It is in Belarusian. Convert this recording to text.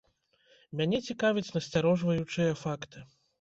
Мяне цікавяць насцярожваючыя факты.